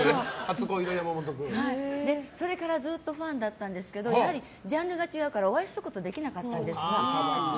それからずっとファンだったんですけどジャンルが違うからお会いすることができなかったんです。